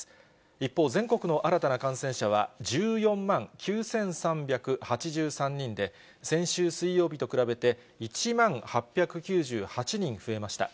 一方、全国の新たな感染者は１４万９３８３人で、先週水曜日と比べて１万８９８人増えました。